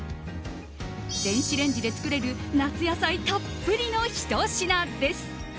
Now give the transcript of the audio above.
電子レンジで作れる夏野菜たっぷりのひと品です。